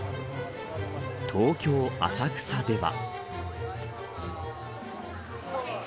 東京、浅草では。